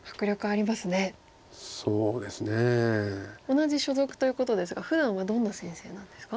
同じ所属ということですがふだんはどんな先生なんですか？